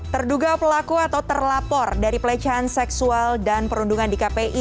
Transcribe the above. terduga pelaku atau terlapor dari pelecehan seksual dan perundungan di kpi